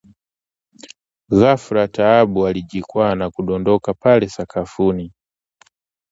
Ghafla, Taabu alijikwaa na kudondoka pale sakafuni